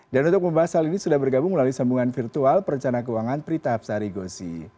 dan untuk membahas hal ini sudah bergabung melalui sambungan virtual perencana keuangan prita absarigosi